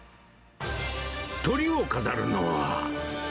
とりを飾るのは。